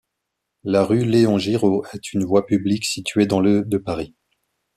La rue Léon-Giraud est une voie publique située dans le de Paris.